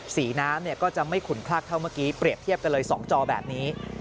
สีน้ำก็จะไม่ขุนคลักเท่าเมื่อกี้เปรียบเทียบกันเลย๒จอแบบนี้